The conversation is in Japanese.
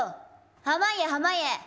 濱家、濱家！